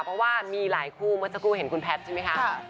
เพราะว่ามีหลายคู่เมื่อสักครู่เห็นคุณแพทย์ใช่ไหมคะ